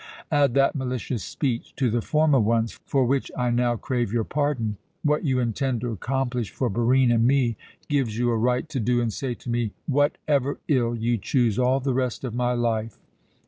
Add that malicious speech to the former ones, for which I now crave your pardon. What you intend to accomplish for Barine and me gives you a right to do and say to me whatever ill you choose all the rest of my life.